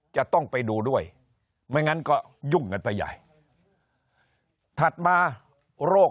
จะต้องไปดูด้วยไม่งั้นก็ยุ่งกันไปใหญ่ถัดมาโรค